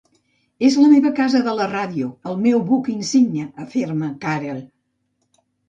És la meva casa de la ràdio, el meu buc insígnia, afirma Karel.